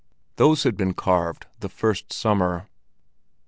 Those had been carved the first summer.